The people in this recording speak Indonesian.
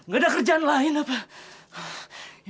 gak ada kerjaan lain apa